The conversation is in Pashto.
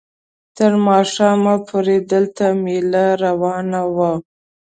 تر ماښامه پورې دلته مېله روانه وه.